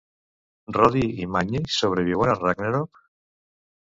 Modi i Magni sobreviuen al Ragnarök?